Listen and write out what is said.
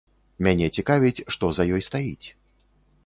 Мяне цікавіць, што за ёй стаіць.